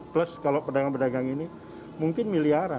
plus kalau pedagang pedagang ini mungkin miliaran